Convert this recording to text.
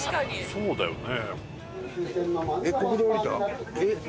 そうだよね。